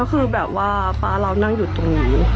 ก็คือแบบว่าป๊าเรานั่งอยู่ตรงนี้